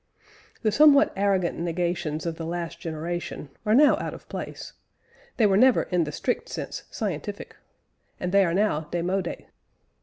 The somewhat arrogant negations of the last generation are now out of place; they were never, in the strict sense, scientific, and they are now demodés.